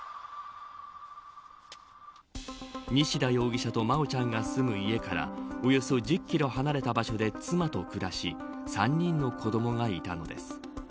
西田容疑者と真愛ちゃんが住む家からおよそ１０キロ離れた場所で妻と暮らし３人の子どもがいたのです。